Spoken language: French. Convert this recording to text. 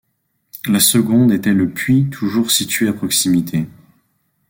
La seconde était le puits toujours situé à proximité.